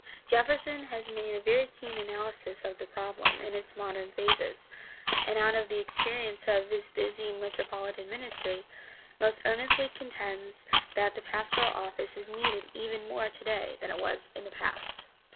Jefferson has made a very keen analysis of the problem in its modern phases and, out of the experience of his busy metropolitan ministry, most earnestly contends that the pastoral office is needed even more today than it was in the past.